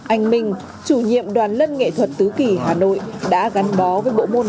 anh minh chủ nhiệm đoàn lân nghệ thuật tứ kỷ hà nội đã gắn bó với bộ môn này